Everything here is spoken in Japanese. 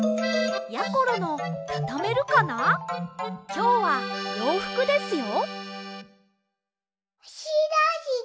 きょうはようふくですよ。